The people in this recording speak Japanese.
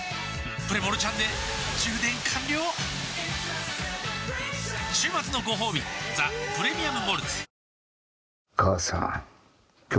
プレモルちゃんで充電完了週末のごほうび「ザ・プレミアム・モルツ」